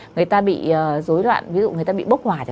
người ta bị dối loạn ví dụ người ta bị bốc hỏa